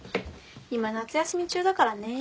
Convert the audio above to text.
今夏休み中だからねぇ。